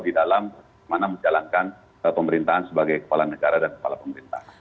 di dalam mana menjalankan pemerintahan sebagai kepala negara dan kepala pemerintah